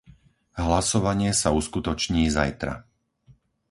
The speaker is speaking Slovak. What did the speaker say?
Hlasovanie sa uskutoční zajtra.